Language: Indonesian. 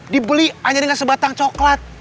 dibeli hanya dengan sebatang coklat